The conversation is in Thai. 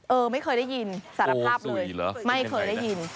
เออไม่เคยได้ยินสารภาพเลยไม่เคยได้ยิน